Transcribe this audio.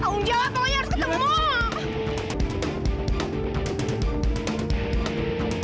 ujawa pokoknya harus ketemu